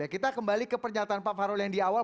kita kembali ke pernyataan pak fahrul yang di awal